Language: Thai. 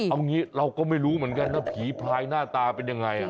เอางี้เราก็ไม่รู้เหมือนกันนะผีพลายหน้าตาเป็นยังไง